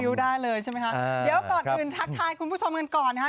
ได้เลยใช่ไหมคะเดี๋ยวก่อนอื่นทักทายคุณผู้ชมกันก่อนนะคะ